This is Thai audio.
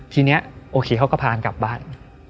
ทีนี้โอเคเขาก็พากันกลับบ้าน